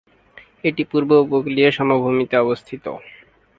এটি পূর্ব উপকূলীয় সমভূমিতে অবস্থিত।